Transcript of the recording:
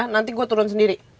nanti gue turun sendiri